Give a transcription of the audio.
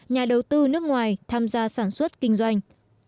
nhà đầu tư nước ngoài tham gia sản xuất kinh doanh